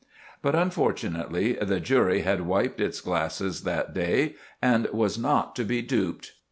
But, unfortunately, the jury had wiped its glasses that day and was not to be duped.